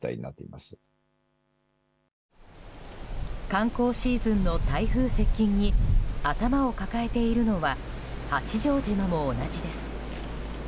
観光シーズンの台風接近に頭を抱えているのは八丈島も同じです。